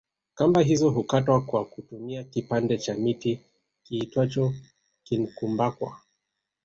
Kamba hizo hukatwa kwa kutumia kipande cha mti kiitwacho kinkumbakwa